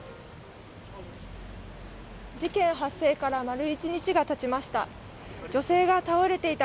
事件発生から丸一日がたちました。